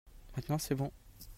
maintenant c'est bon.